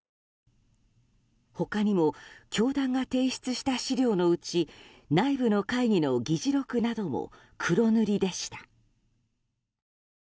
他にも教団が提出した資料のうち内部の会議の議事録なども黒塗りでした。